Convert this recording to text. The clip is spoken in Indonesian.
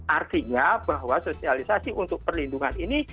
artinya bahwa sosialisasi untuk perlindungan ini